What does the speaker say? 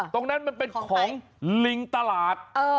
ตรงนั้นมันเป็นของลิงตลาด